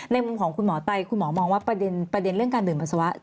มุมของคุณหมอไตคุณหมอมองว่าประเด็นเรื่องการดื่มปัสสาวะ